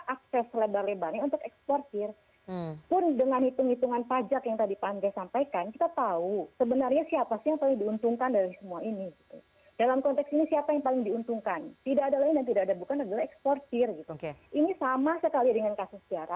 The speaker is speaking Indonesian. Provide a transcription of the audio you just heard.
akses lebar lebarnya untuk eksportir